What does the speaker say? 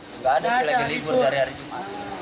tidak ada sih lagi libur dari hari jumat